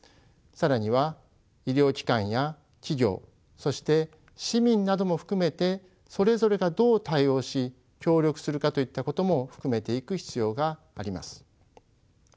更には医療機関や企業そして市民なども含めてそれぞれがどう対応し協力するかといったことも含めていく必要があります。